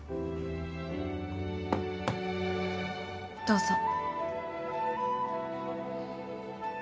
どうぞ。